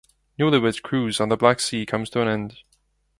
Newlyweds cruise on the Black Sea comes to an end.